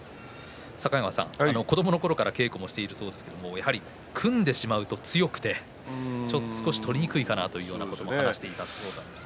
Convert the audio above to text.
境川さん、子どものころから稽古をしている間柄組んでしまうと強くて少し取りにくいかなということを話していました。